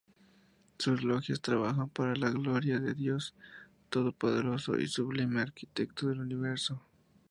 Sus logias trabajan "Para la Gloria de Dios Todopoderoso y Sublime Arquitecto del Universo".